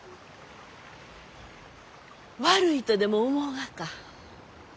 悪いとでも思うがか？